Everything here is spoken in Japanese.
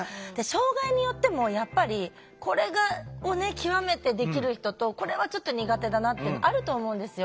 障害によってもやっぱりこれを極めてできる人とこれはちょっと苦手だなっていうのあると思うんですよ。